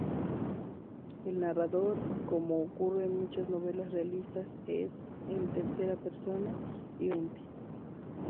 El narrador, cómo ocurre en muchas novelas realistas, es en tercera persona y omnisciente.